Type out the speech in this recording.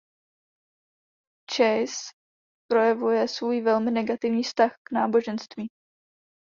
Chase projevuje svůj velmi negativní vztah k náboženství.